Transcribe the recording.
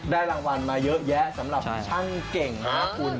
รางวัลมาเยอะแยะสำหรับช่างเก่งนะคุณ